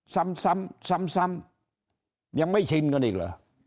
ซ้ำซ้ำยังไม่ชินกันอีกเหรอ